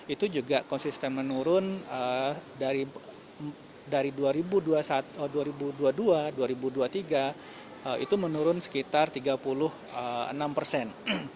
itu juga konsisten menurun dari dua ribu dua puluh dua dua ribu dua puluh tiga itu menurun sekitar tiga puluh enam persen